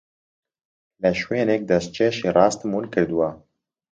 لە شوێنێک دەستکێشی ڕاستم ون کردووە.